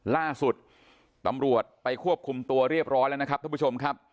ล่าสุดตำรวจไปควบคุมตัวเรียบร้อยแล้วนะครับท่านผู้ชมครับ